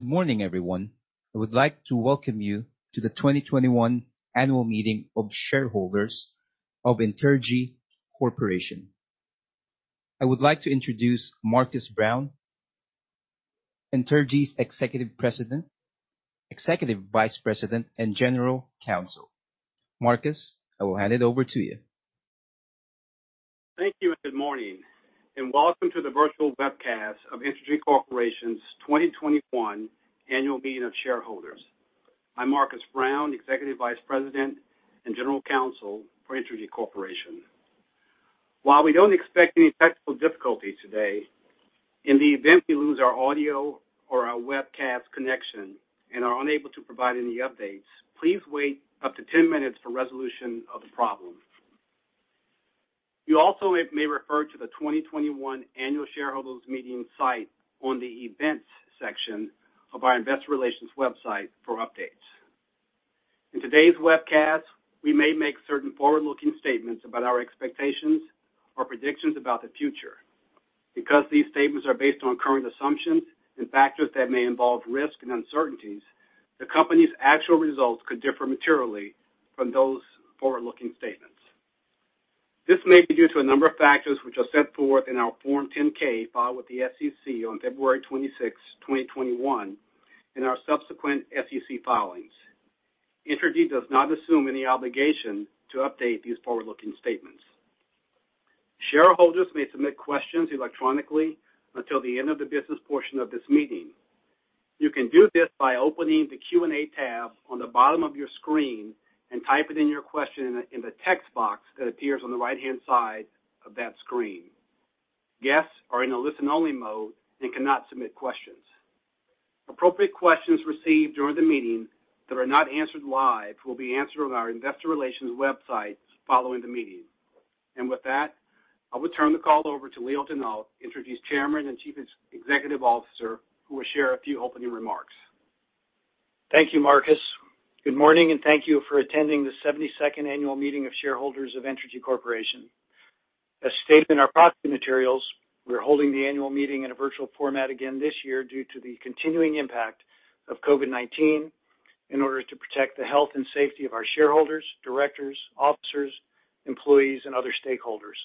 Good morning, everyone. I would like to welcome you to the 2021 Annual Meeting of Shareholders of Entergy Corporation. I would like to introduce Marcus Brown, Entergy's Executive Vice President and General Counsel. Marcus, I will hand it over to you. Thank you, and good morning, and welcome to the virtual webcast of Entergy Corporation's 2021 Annual Meeting of Shareholders. I'm Marcus Brown, Executive Vice President and General Counsel for Entergy Corporation. While we don't expect any technical difficulties today, in the event we lose our audio or our webcast connection and are unable to provide any updates, please wait up to 10 minutes for resolution of the problem. You also may refer to the 2021 Annual Shareholders Meeting site on the Events section of our investor relations website for updates. In today's webcast, we may make certain forward-looking statements about our expectations or predictions about the future. Because these statements are based on current assumptions and factors that may involve risks and uncertainties, the company's actual results could differ materially from those forward-looking statements. This may be due to a number of factors which are set forth in our Form 10-K filed with the SEC on February 26, 2021 and our subsequent SEC filings. Entergy does not assume any obligation to update these forward-looking statements. Shareholders may submit questions electronically until the end of the business portion of this meeting. You can do this by opening the Q&A tab on the bottom of your screen and typing in your question in the text box that appears on the right-hand side of that screen. Guests are in a listen-only mode and cannot submit questions. Appropriate questions received during the meeting that are not answered live will be answered on our investor relations websites following the meeting. With that, I will turn the call over to Leo Denault, Entergy's Chairman and Chief Executive Officer, who will share a few opening remarks. Thank you, Marcus. Good morning and thank you for attending the 72nd Annual Meeting of Shareholders of Entergy Corporation. As stated in our proxy materials, we're holding the annual meeting in a virtual format again this year due to the continuing impact of COVID-19 in order to protect the health and safety of our shareholders, directors, officers, employees, and other stakeholders.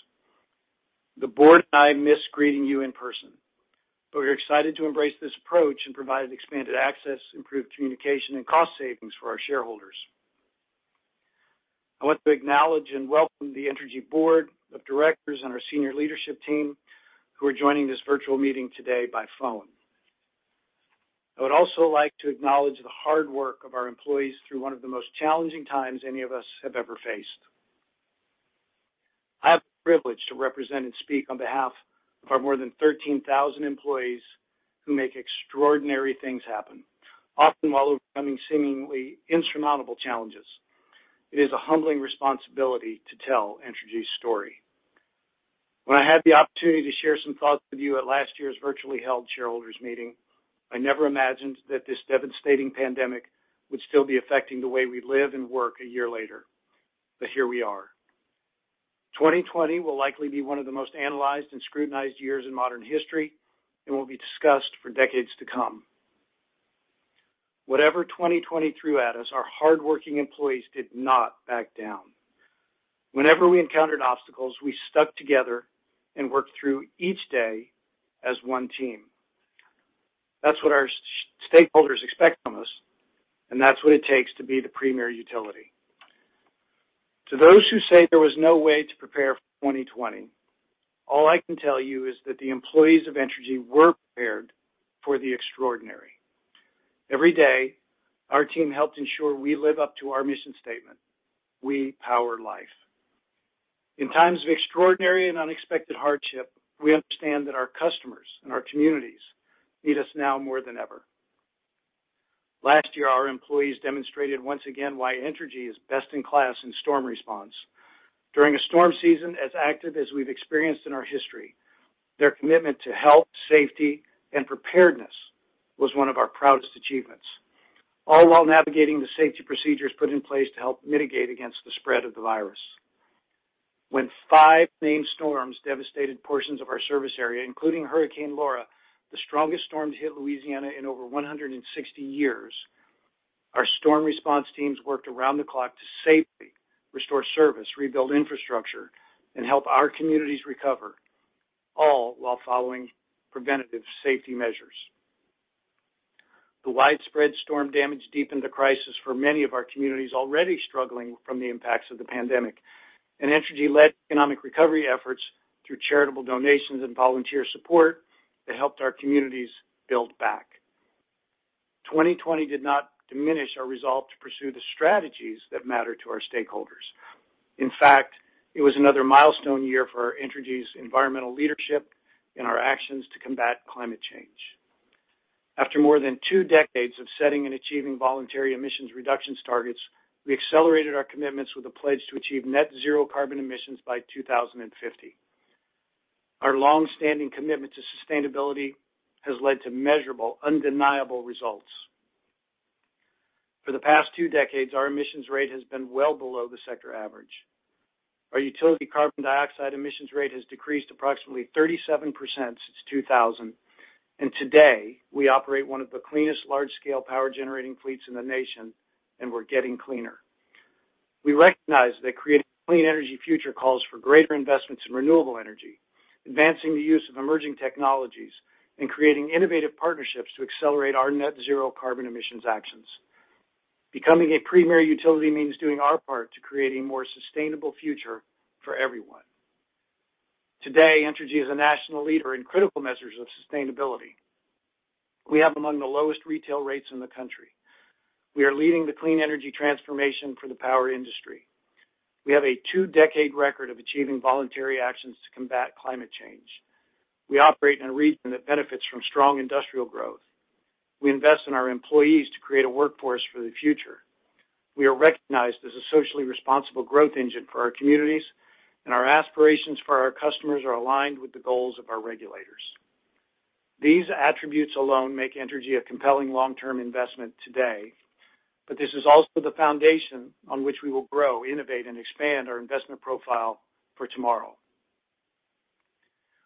The board and I miss greeting you in person, but we're excited to embrace this approach and provide expanded access, improved communication, and cost savings for our shareholders. I want to acknowledge and welcome the Entergy Board of Directors and our senior leadership team who are joining this virtual meeting today by phone. I would also like to acknowledge the hard work of our employees through one of the most challenging times any of us have ever faced. I have the privilege to represent and speak on behalf of our more than 13,000 employees who make extraordinary things happen, often while overcoming seemingly insurmountable challenges. It is a humbling responsibility to tell Entergy's story. When I had the opportunity to share some thoughts with you at last year's virtually held shareholders meeting, I never imagined that this devastating pandemic would still be affecting the way we live and work a year later, but here we are. 2020 will likely be one of the most analyzed and scrutinized years in modern history and will be discussed for decades to come. Whatever 2020 threw at us, our hardworking employees did not back down. Whenever we encountered obstacles, we stuck together and worked through each day as one team. That's what our stakeholders expect from us and that's what it takes to be the premier utility. To those who say there was no way to prepare for 2020, all I can tell you is that the employees of Entergy were prepared for the extraordinary. Every day, our team helped ensure we live up to our mission statement, "We power life." In times of extraordinary and unexpected hardship, we understand that our customers and our communities need us now more than ever. Last year, our employees demonstrated once again why Entergy is best in class in storm response. During a storm season as active as we've experienced in our history, their commitment to health, safety, and preparedness was one of our proudest achievements, all while navigating the safety procedures put in place to help mitigate against the spread of the virus. When five named storms devastated portions of our service area, including Hurricane Laura, the strongest storm to hit Louisiana in over 160 years, our storm response teams worked around the clock to safely restore service, rebuild infrastructure, and help our communities recover, all while following preventative safety measures. The widespread storm damage deepened the crisis for many of our communities already struggling from the impacts of the pandemic, and Entergy led economic recovery efforts through charitable donations and volunteer support that helped our communities build back. 2020 did not diminish our resolve to pursue the strategies that matter to our stakeholders. In fact, it was another milestone year for Entergy's environmental leadership and our actions to combat climate change. After more than two decades of setting and achieving voluntary emissions reductions targets, we accelerated our commitments with a pledge to achieve net zero carbon emissions by 2050. Our longstanding commitment to sustainability has led to measurable, undeniable results. For the past two decades, our emissions rate has been well below the sector average. Our utility carbon dioxide emissions rate has decreased approximately 37% since 2000, and today, we operate one of the cleanest and large-scale power generating fleets in the nation, and we're getting cleaner. We recognize that creating a clean energy future calls for greater investments in renewable energy, advancing the use of emerging technologies, and creating innovative partnerships to accelerate our net zero carbon emissions actions. Becoming a premier utility means doing our part to create a more sustainable future for everyone. Today, Entergy is a national leader in critical measures of sustainability. We have among the lowest retail rates in the country. We are leading the clean energy transformation for the power industry. We have a two-decade record of achieving voluntary actions to combat climate change. We operate in a region that benefits from strong industrial growth. We invest in our employees to create a workforce for the future. We are recognized as a socially responsible growth engine for our communities and our aspirations for our customers are aligned with the goals of our regulators. These attributes alone make Entergy a compelling long-term investment today, but this is also the foundation on which we will grow, innovate, and expand our investment profile for tomorrow.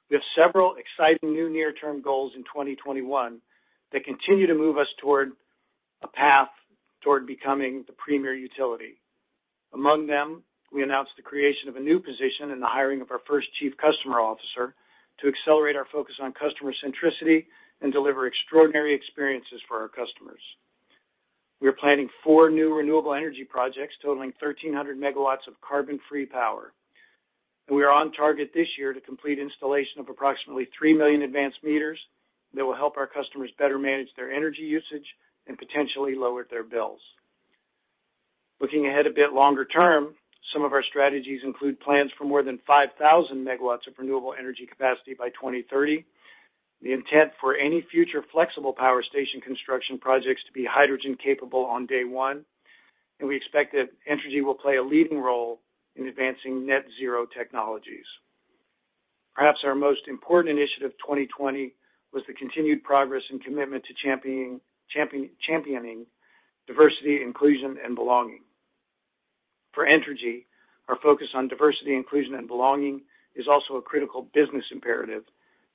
We have several exciting new near-term goals in 2021 that continue to move us toward a path toward becoming the premier utility. Among them, we announced the creation of a new position and the hiring of our first Chief Customer Officer to accelerate our focus on customer centricity and deliver extraordinary experiences for our customers. We are planning four new renewable energy projects totaling 1,300 megawatts of carbon-free power and we are on target this year to complete installation of approximately 3 million advanced meters that will help our customers better manage their energy usage and potentially lower their bills. Looking ahead a bit longer term, some of our strategies include plans for more than 5,000 MW of renewable energy capacity by 2030. The intent for any future flexible power station construction projects to be hydrogen capable on day one. We expect that Entergy will play a leading role in advancing net zero technologies. Perhaps our most important initiative of 2020 was the continued progress and commitment to championing diversity, inclusion, and belonging. For Entergy, our focus on diversity, inclusion, and belonging is also a critical business imperative,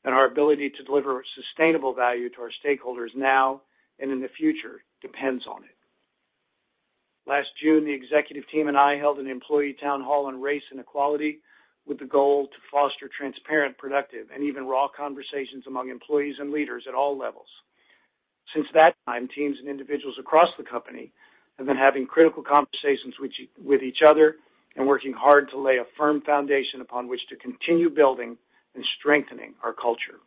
and our ability to deliver a sustainable value to our stakeholders now and in the future depends on it. Last June, the executive team and I held an employee town hall on race inequality with the goal to foster transparent, productive, and even raw conversations among employees and leaders at all levels. Since that time, teams and individuals across the company have been having critical conversations with each other and working hard to lay a firm foundation upon which to continue building and strengthening our culture.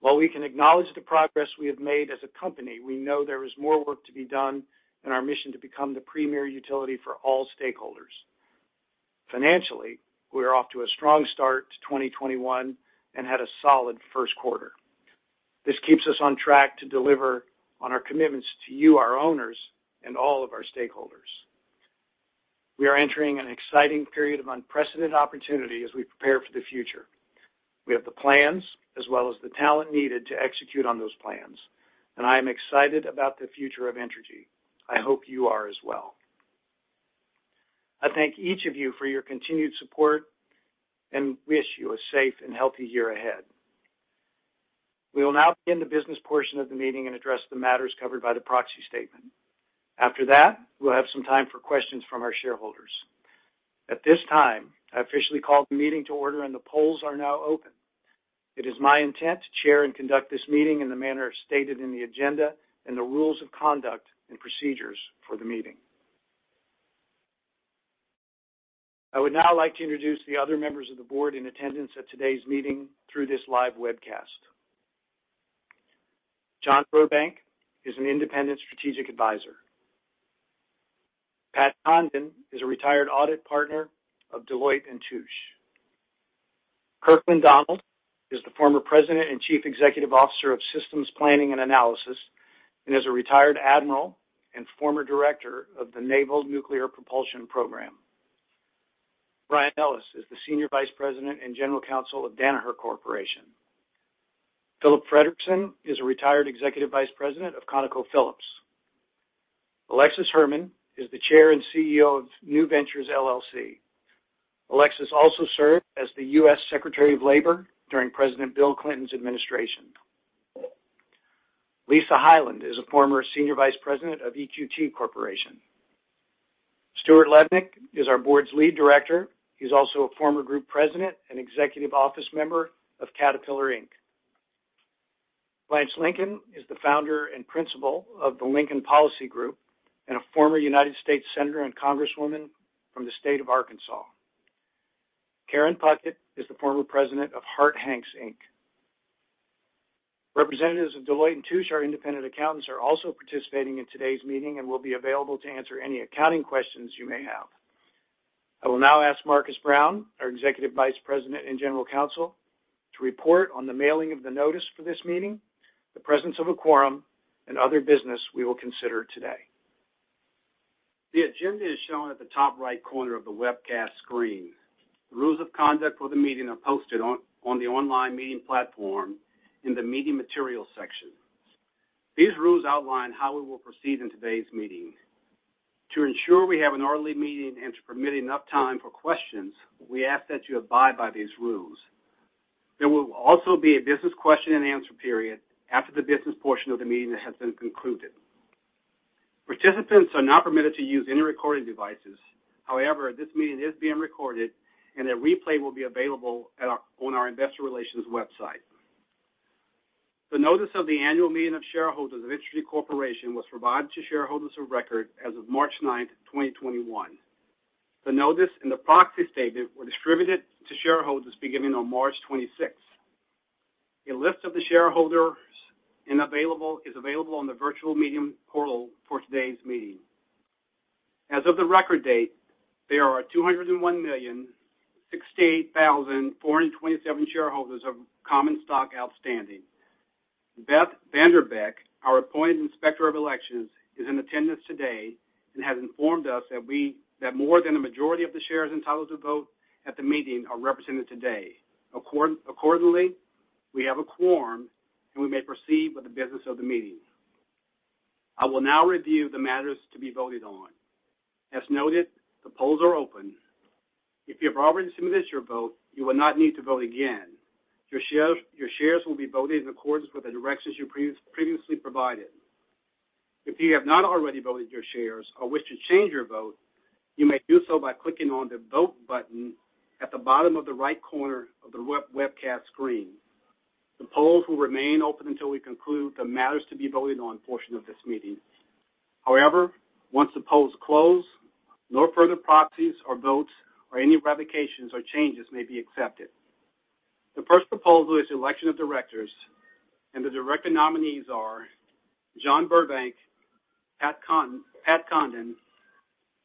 While we can acknowledge the progress we have made as a company, we know there is more work to be done in our mission to become the premier utility for all stakeholders. Financially, we are off to a strong start to 2021 and had a solid first quarter. This keeps us on track to deliver on our commitments to you, our owners, and all of our stakeholders. We are entering an exciting period of unprecedented opportunity as we prepare for the future. We have the plans as well as the talent needed to execute on those plans, and I am excited about the future of Entergy. I hope you are as well. I thank each of you for your continued support and wish you a safe and healthy year ahead. We will now begin the business portion of the meeting and address the matters covered by the proxy statement. After that, we'll have some time for questions from our shareholders. At this time, I officially call the meeting to order and the polls are now open. It is my intent to chair and conduct this meeting in the manner stated in the agenda and the rules of conduct and procedures for the meeting. I would now like to introduce the other members of the board in attendance at today's meeting through this live webcast. John Burbank is an independent strategic advisor. Pat Condon is a retired audit partner of Deloitte & Touche. Kirkland Donald is the former President and Chief Executive Officer of Systems Planning and Analysis and is a retired admiral and former director of the Naval Nuclear Propulsion Program. Brian Ellis is the senior vice president and general counsel of Danaher Corporation. Philip Frederickson is a retired executive vice president of ConocoPhillips. Alexis Herman is the chair and CEO of New Ventures, LLC. Alexis also served as the U.S. Secretary of Labor during President Bill Clinton's administration. Lisa Hyland is a former senior vice president of EQT Corporation. Stuart Levenick is our board's lead director. He's also a former group president and executive office member of Caterpillar Inc. Blanche Lincoln is the founder and principal of the Lincoln Policy Group and a former United States Senator and Congresswoman from the State of Arkansas. Karen Puckett is the former President of Harte Hanks Inc. Representatives of Deloitte & Touche, our independent accountants, are also participating in today's meeting and will be available to answer any accounting questions you may have. I will now ask Marcus Brown, our Executive Vice President and General Counsel, to report on the mailing of the notice for this meeting, the presence of a quorum, and other business we will consider today. The agenda is shown at the top right corner of the webcast screen. The rules of conduct for the meeting are posted on the online meeting platform in the meeting materials section. These rules outline how we will proceed in today's meeting. To ensure we have an orderly meeting and to permit enough time for questions, we ask that you abide by these rules. There will also be a business question and answer period after the business portion of the meeting has been concluded. Participants are not permitted to use any recording devices. However, this meeting is being recorded, and a replay will be available on our investor relations website. The notice of the annual meeting of shareholders of Entergy Corporation was provided to shareholders of record as of March 9th, 2021. The notice and the proxy statement were distributed to shareholders beginning on March 26th. A list of the shareholders is available on the virtual meeting portal for today's meeting. As of the record date, there are 201,068,427 shareholders of common stock outstanding. Beth Vandenbeck, our appointed Inspector of Elections, is in attendance today and has informed us that more than a majority of the shares entitled to vote at the meeting are represented today. We have a quorum, and we may proceed with the business of the meeting. I will now review the matters to be voted on. As noted, the polls are open. If you have already submitted your vote, you will not need to vote again. Your shares will be voted in accordance with the directions you previously provided. If you have not already voted your shares or wish to change your vote, you may do so by clicking on the Vote button at the bottom of the right corner of the webcast screen. The polls will remain open until we conclude the matters to be voted on portion of this meeting. However, once the polls close, no further proxies or votes or any revocations or changes may be accepted. The first proposal is the election of directors, and the director nominees are John Burbank, Patrick Condon,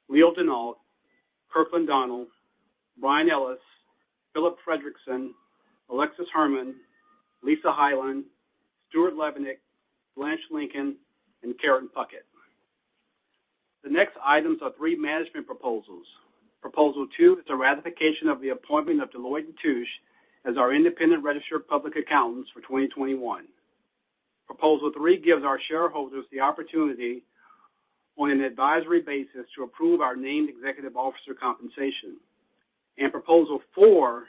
Leo Denault, Kirkland Donald, Brian Ellis, Philip Fredrickson, Alexis Herman, Lisa Hyland, Stuart Levenick, Blanche Lincoln, and Karen Puckett. The next items are three management proposals. Proposal two is a ratification of the appointment of Deloitte & Touche as our independent registered public accountants for 2021. Proposal three gives our shareholders the opportunity on an advisory basis to approve our named executive officer compensation and proposal four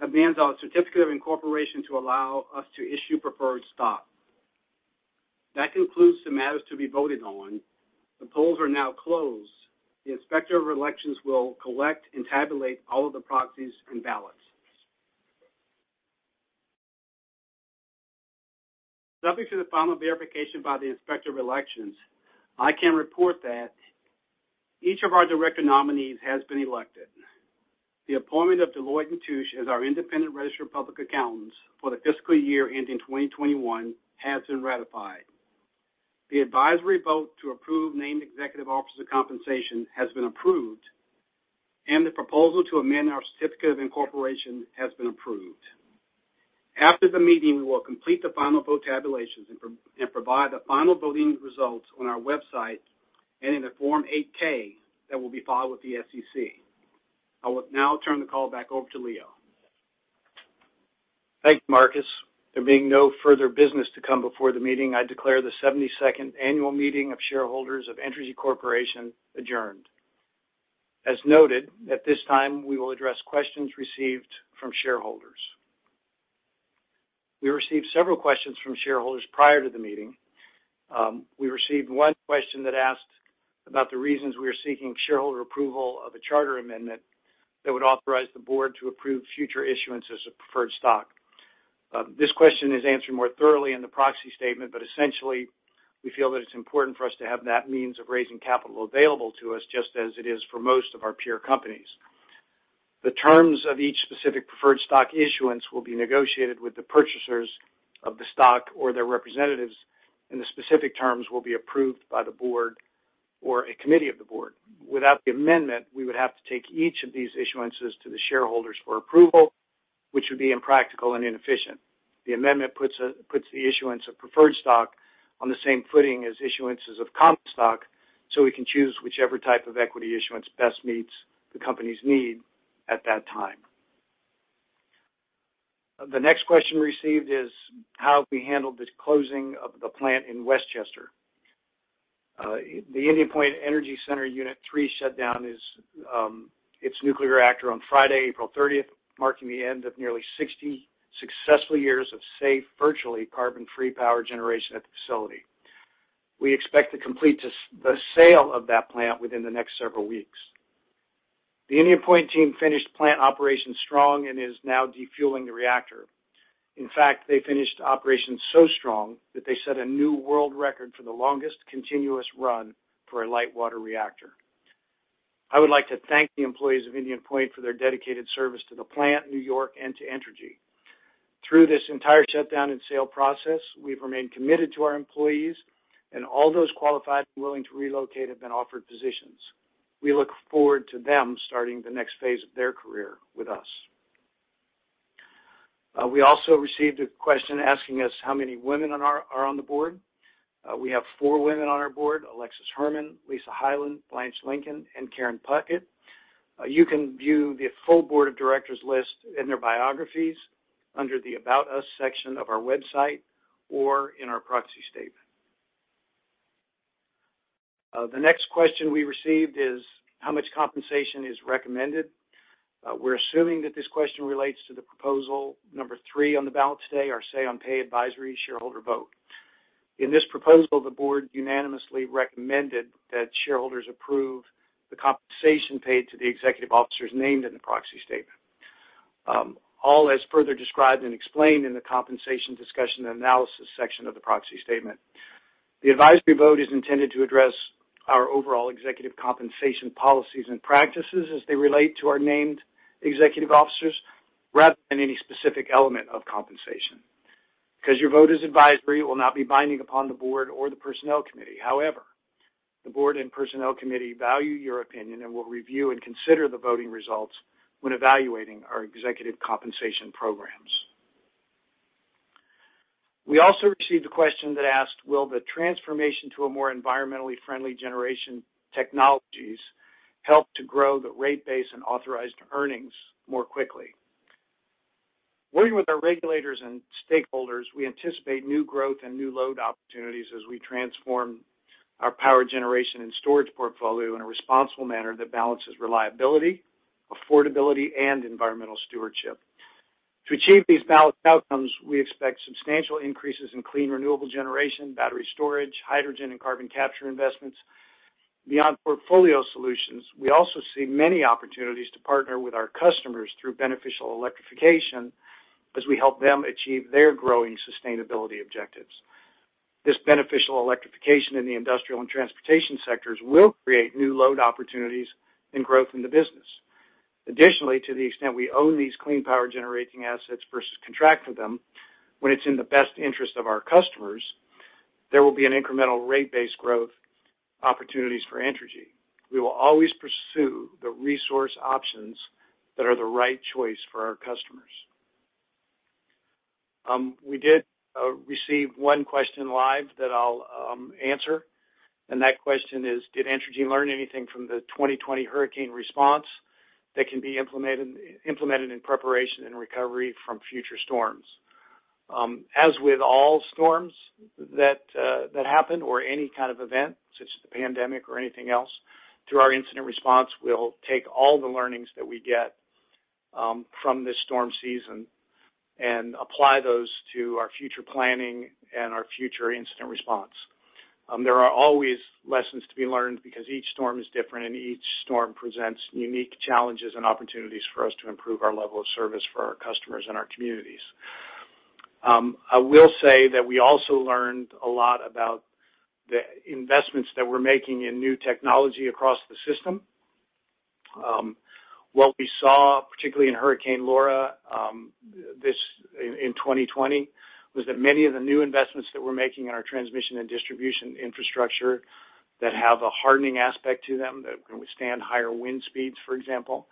amends our certificate of incorporation to allow us to issue preferred stock. That concludes the matters to be voted on. The polls are now closed. The Inspector of Elections will collect and tabulate all of the proxies and ballots. Subject to the final verification by the Inspector of Elections, I can report that each of our director nominees has been elected. The appointment of Deloitte & Touche as our independent registered public accountants for the fiscal year ending 2021 has been ratified. The advisory vote to approve named executive officers' compensation has been approved and the proposal to amend our certificate of incorporation has been approved. After the meeting, we will complete the final vote tabulations and provide the final voting results on our website and in a Form 8-K that will be filed with the SEC. I will now turn the call back over to Leo. Thanks, Marcus. There being no further business to come before the meeting, I declare the 72nd annual meeting of shareholders of Entergy Corporation adjourned. As noted, at this time, we will address questions received from shareholders. We received several questions from shareholders prior to the meeting. We received one question that asked about the reasons we are seeking shareholder approval of a charter amendment that would authorize the board to approve future issuance as a preferred stock. This question is answered more thoroughly in the proxy statement, but essentially, we feel that it's important for us to have that means of raising capital available to us just as it is for most of our peer companies. The terms of each specific preferred stock issuance will be negotiated with the purchasers of the stock or their representatives, and the specific terms will be approved by the board or a committee of the board. Without the amendment, we would have to take each of these issuances to the shareholders for approval, which would be impractical and inefficient. The amendment puts the issuance of preferred stock on the same footing as issuances of common stock, so we can choose whichever type of equity issuance best meets the company's need at that time. The next question received is how have we handled the closing of the plant in Westchester. The Indian Point Energy Center Unit 3 shut down its nuclear reactor on Friday, April 30th, marking the end of nearly 60 successful years of safe, virtually carbon-free power generation at the facility. We expect to complete the sale of that plant within the next several weeks. The Indian Point team finished plant operations strong and is now defueling the reactor. In fact, they finished operations so strong that they set a new world record for the longest continuous run for a light water reactor. I would like to thank the employees of Indian Point for their dedicated service to the plant, New York, and to Entergy. Through this entire shutdown and sale process, we've remained committed to our employees, and all those qualified and willing to relocate have been offered positions. We look forward to them starting the next phase of their career with us. We also received a question asking us how many women are on the board. We have four women on our board, Alexis Herman, Lisa Hyland, Blanche Lincoln, and Karen Puckett. You can view the full board of directors list and their biographies under the About Us section of our website or in our proxy statement. The next question we received is how much compensation is recommended. We're assuming that this question relates to the proposal number three on the ballot today, our say-on-pay advisory shareholder vote. In this proposal, the board unanimously recommended that shareholders approve the compensation paid to the executive officers named in the proxy statement. All as further described and explained in the compensation discussion and analysis section of the proxy statement. The advisory vote is intended to address our overall executive compensation policies and practices as they relate to our named executive officers rather than any specific element of compensation. Because your vote is advisory, it will not be binding upon the board or the personnel committee. However, the board and personnel committee value your opinion and will review and consider the voting results when evaluating our executive compensation programs. We also received a question that asked, will the transformation to a more environmentally friendly generation technologies help to grow the rate base and authorized earnings more quickly? Working with our regulators and stakeholders, we anticipate new growth and new load opportunities as we transform our power generation and storage portfolio in a responsible manner that balances reliability, affordability, and environmental stewardship. To achieve these balanced outcomes, we expect substantial increases in clean, renewable generation, battery storage, hydrogen and carbon capture investments. Beyond portfolio solutions, we also see many opportunities to partner with our customers through beneficial electrification as we help them achieve their growing sustainability objectives. This beneficial electrification in the industrial and transportation sectors will create new load opportunities and growth in the business. Additionally, to the extent we own these clean power generating assets versus contract with them, when it's in the best interest of our customers, there will be an incremental rate-based growth opportunities for Entergy. We will always pursue the resource options that are the right choice for our customers. We did receive one question live that I'll answer and that question is: Did Entergy learn anything from the 2020 hurricane response that can be implemented in preparation and recovery from future storms? As with all storms that happen or any kind of event, such as the pandemic or anything else, through our incident response, we'll take all the learnings that we get from this storm season and apply those to our future planning and our future incident response. There are always lessons to be learned because each storm is different and each storm presents unique challenges and opportunities for us to improve our level of service for our customers and our communities. I will say that we also learned a lot about the investments that we're making in new technology across the system. What we saw, particularly in Hurricane Laura, in 2020, was that many of the new investments that we're making in our transmission and distribution infrastructure that have a hardening aspect to them, that can withstand higher wind speeds, for example,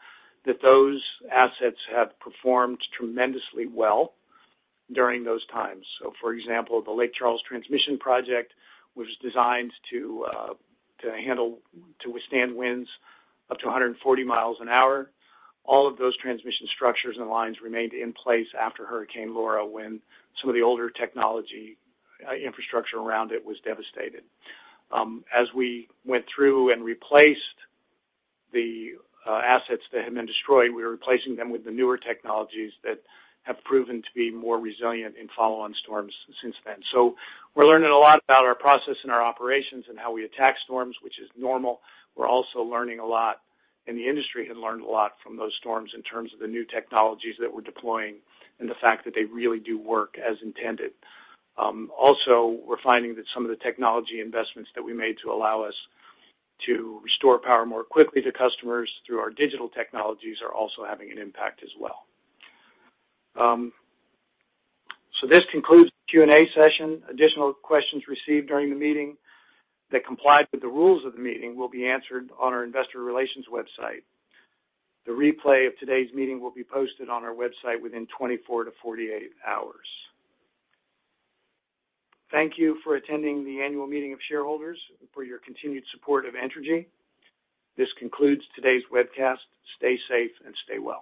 that those assets have performed tremendously well during those times. For example, the Lake Charles transmission project, which was designed to withstand winds up to 140 miles an hour. All of those transmission structures and lines remained in place after Hurricane Laura when some of the older technology infrastructure around it was devastated. As we went through and replaced the assets that had been destroyed, we were replacing them with the newer technologies that have proven to be more resilient in follow-on storms since then, so we're learning a lot about our process and our operations and how we attack storms, which is normal. We're also learning a lot, and the industry had learned a lot from those storms in terms of the new technologies that we're deploying, and the fact that they really do work as intended. Also, we're finding that some of the technology investments that we made to allow us to restore power more quickly to customers through our digital technologies are also having an impact as well. This concludes the Q&A session. Additional questions received during the meeting that complied with the rules of the meeting will be answered on our investor relations website. The replay of today's meeting will be posted on our website within 24 to 48 hours. Thank you for attending the annual meeting of shareholders and for your continued support of Entergy. This concludes today's webcast. Stay safe and stay well.